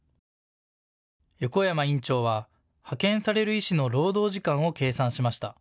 横山院長は派遣される医師の労働時間を計算しました。